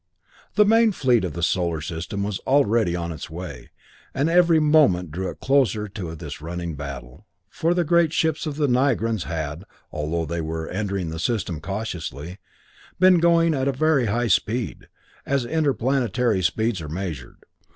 The main fleet of the Solar System was already on its way, and every moment drew closer to this running battle, for the great ships of the Nigrans had, although they were entering the system cautiously, been going at a very high speed, as interplanetary speeds are measured.